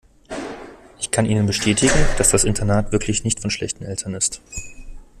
Ich kann Ihnen bestätigen, dass das Internat wirklich nicht von schlechten Eltern ist.